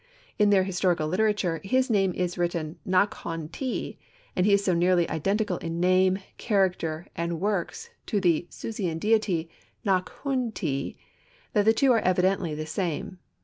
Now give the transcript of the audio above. In their historical literature, his name is written Nak hon ti, and he is so nearly identical in name, character and works to the Susian deity, Nak hun ti, that the two are evidently the same.